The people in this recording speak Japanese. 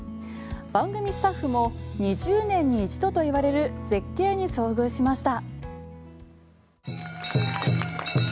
番組スタッフも２０年に一度と言われる絶景に想像しました。